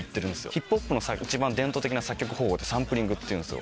ヒップホップの一番伝統的な作曲方法はサンプリングっていうんですよ。